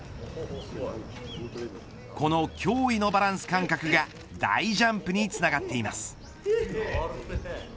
この驚異のバランス感覚が大ジャンプにつながっています。